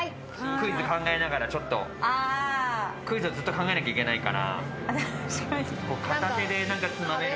クイズ考えながらちょっと、クイズ、ずっと考えなきゃいけないから。